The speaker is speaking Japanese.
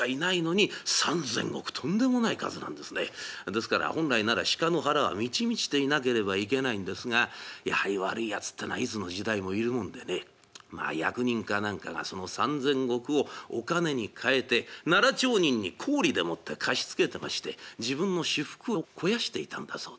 ですから本来なら鹿の腹は満ち満ちていなければいけないんですがやはり悪いやつっていうのはいつの時代もいるもんでねまあ役人か何かがその３，０００石をお金に換えて奈良町人に高利でもって貸し付けてまして自分の私腹を肥やしていたんだそうです。